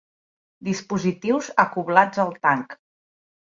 Dispositius acoblats al tanc.